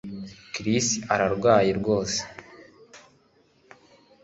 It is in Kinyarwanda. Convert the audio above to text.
Chris ararwaye rwose